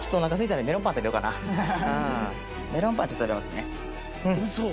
メロンパンちょっと食べますね